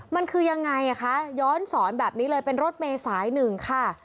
มันคือยังไงคะย้อนสอนแบบนี้เลยเป็นรถเมย์สายหนึ่งค่ะ